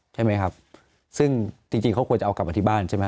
ใช่ไหมครับซึ่งจริงจริงเขาควรจะเอากลับมาที่บ้านใช่ไหม